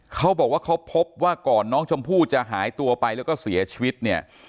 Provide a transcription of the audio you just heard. เขาบอกว่าเขาพบว่าก่อนน้องชมพู่จะหายตัวไปแล้วก็เสียชีวิตเนี่ย